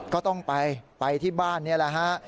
ก็ต้องไปไปที่บ้านนี่แหละฮะ